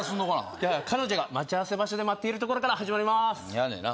じゃあ彼女が待ち合わせ場所で待っているところから始まりますやんねんな